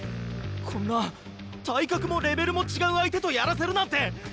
こんな体格もレベルも違う相手とやらせるなんて！